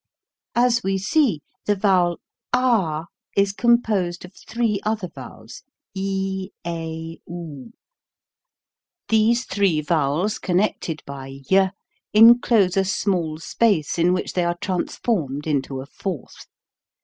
As we see, the vowel ah is composed of three other vowels, e, a, oo. These three vowels con nected by y enclose a small space in which they are transformed into a fourth.